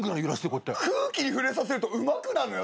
「空気に触れさせるとうまくなるのよ」